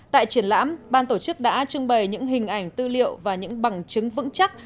tại triển lãm ban tổ chức đã trưng bày những hình ảnh tư liệu và những bằng chứng vững chắc